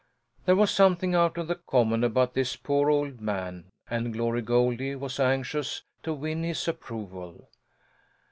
There was something out of the common about this poor old man and Glory Goldie was anxious to win his approval.